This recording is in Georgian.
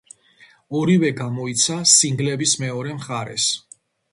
ორივე გამოიცა სინგლების მეორე მხარეს.